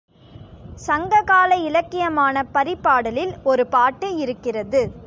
சங்க கால இலக்கியமான பரிபாடலில் ஒரு பாட்டு இருக்கிறது.